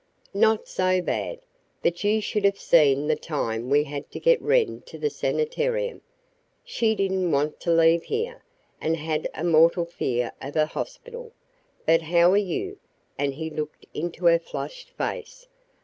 "Not so bad. But you should have seen the time we had to get Wren to the sanitarium. She didn't want to leave here, and had a mortal fear of a hospital. But how are you?" and he looked into her flushed face.